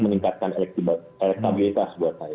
meningkatkan elektabilitas buat saya